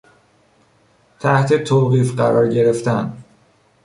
تحت توقیف قرار گرفتن